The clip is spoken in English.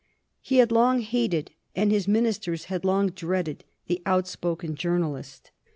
He had long hated and his ministers had long dreaded the outspoken journalist.